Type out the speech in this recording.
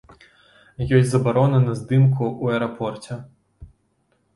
Ёсць забарона на здымку ў аэрапорце.